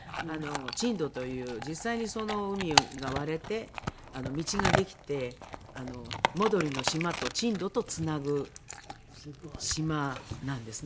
珍島という実際に海が割れて道ができて芽島里の島と珍島とつなぐ島なんですね。